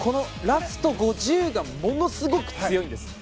ラスト５０がものすごく強いんです。